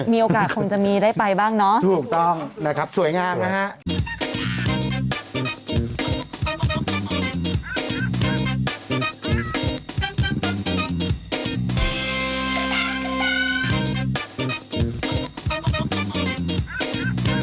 มีโอกาสคงจะมีได้ไปบ้างเนอะถูกต้องสวยงามนะครับ